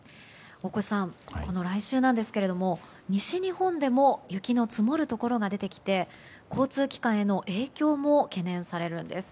大越さん、この来週なんですが西日本でも雪の積もるところが出てきて交通機関への影響も懸念されるんです。